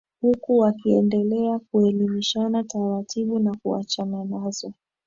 huku wakiendelea kuelimishana taratibu na kuachana nazo